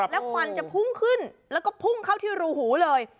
แล้วควันจะพุ่งขึ้นแล้วก็พุ่งเข้าที่รูหูเลย